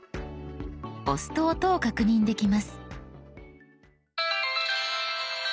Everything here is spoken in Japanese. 押すと音を確認できます。」）